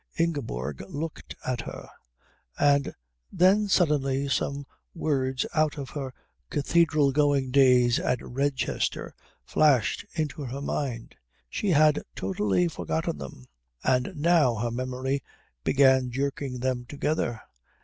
Ingeborg looked at her, and then suddenly some words out of her cathedral going days at Redchester flashed into her mind. She had totally forgotten them, and now her memory began jerking them together.